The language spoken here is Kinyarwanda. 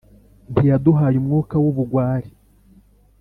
ntiyaduhaye umwuka w ubugwari.